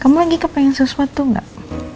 kamu lagi kepengen sesuatu nggak